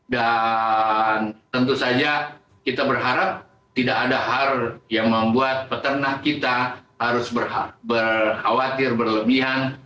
tentu saja kita berharap tidak ada hal yang membuat peternak kita harus khawatir berlebihan